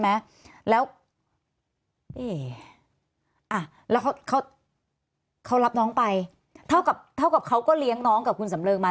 ไหมแล้วนี่อ่ะแล้วเขาเขารับน้องไปเท่ากับเท่ากับเขาก็เลี้ยงน้องกับคุณสำเริงมา